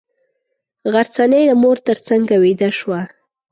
غرڅنۍ د مور تر څنګه ویده شوه.